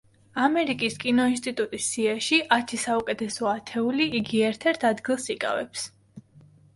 ამერიკის კინოინსტიტუტის სიაში „ათი საუკეთესო ათეული“ იგი ერთ-ერთ ადგილს იკავებს.